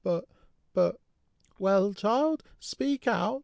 but but " "Well, child! speak out!"